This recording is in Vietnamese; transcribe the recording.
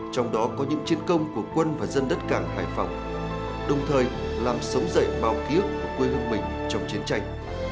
trong đó có những chiến công của quân và dân đất cảng hải phòng đồng thời làm sống dậy bao ký ức của quê hương mình trong chiến tranh